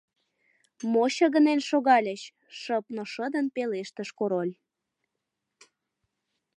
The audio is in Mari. Мо чыгынен шогальыч?! — шып, но шыдын пелештыш Король.